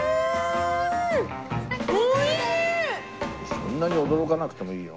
そんなに驚かなくてもいいよ。